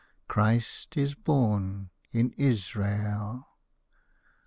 Christ is born in Israel!"